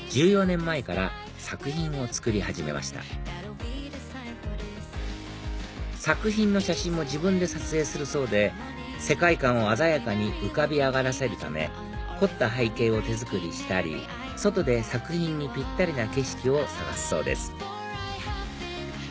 １４年前から作品を作り始めました作品の写真も自分で撮影するそうで世界観を鮮やかに浮かび上がらせるため凝った背景を手作りしたり外で作品にぴったりな景色を探すそうです